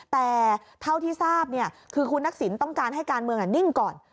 แต่เท่าที่ทราบคือคุณทักษิณต้องการให้การเมืองนิ่งก่อน